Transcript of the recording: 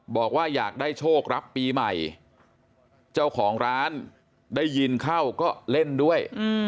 บอกว่าอยากได้โชครับปีใหม่เจ้าของร้านได้ยินเข้าก็เล่นด้วย